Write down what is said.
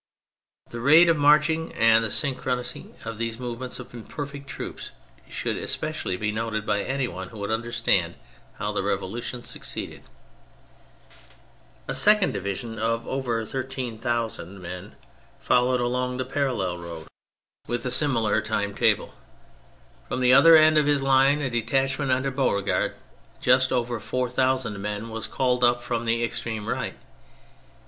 The rate of marching and the synchrony of these movements of imperfect troops should especially be noted by any one who would understand how the Revolution succeeded. A second division of over thirteen thousand men followed along the parallel road, with THE MILITARY ASPECT 19f CO o ■cS ■♦» c «> o c: o V "bo si •a 200 THE FRENCH REVOLUTION a similar time table. From the other end of his line, a detachment under Beauregard, just over four thousand men, was called up from the extreme right.